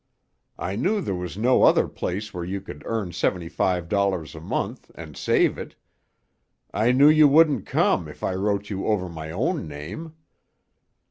"I knew there was no other place where you could earn seventy five dollars a month, and save it. I knew you wouldn't come if I wrote you over my own name.